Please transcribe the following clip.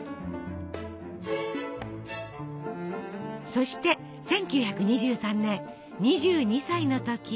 そして１９２３年２２歳の時。